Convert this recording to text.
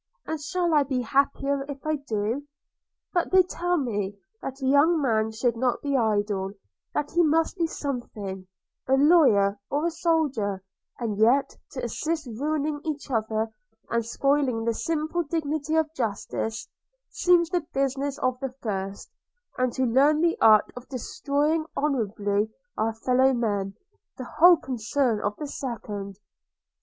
and shall I be happier if I do? – But they tell me, that a young man should not be idle; that he must be something, a lawyer or a soldier: and yet, to assist ruining each other, and spoiling the simple dignity of justice, seems the business of the first; and to learn the art of destroying honourably our fellow men, the whole concern of the second.